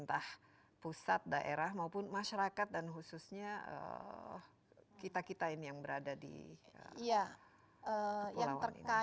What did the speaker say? transisi antara musim hujan dan musim kemarau